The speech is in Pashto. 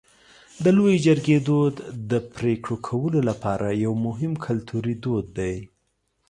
د لویې جرګې دود د پرېکړو کولو لپاره یو مهم کلتوري دود دی.